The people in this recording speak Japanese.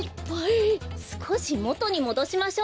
すこしもとにもどしましょう。